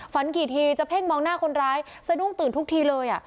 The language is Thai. กี่ทีจะเพ่งมองหน้าคนร้ายสะดุ้งตื่นทุกทีเลย